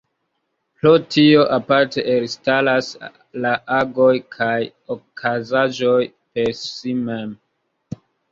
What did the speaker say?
Pro tio aparte elstaras la agoj kaj okazaĵoj per si mem.